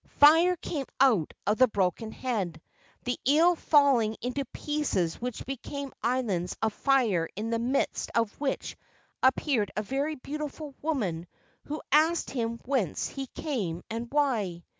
Fire came out of the broken head, the eel falling into pieces which became islands of fire in the midst of which appeared a very beautiful woman who asked him whence he came, and why.